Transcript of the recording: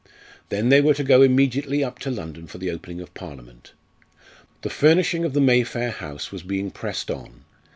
Then they were to go immediately up to London for the opening of Parliament. The furnishing of the Mayfair house was being pressed on.